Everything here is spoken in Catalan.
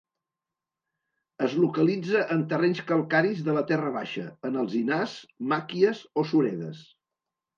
Es localitza en terrenys calcaris de la terra baixa, en alzinars, màquies o suredes.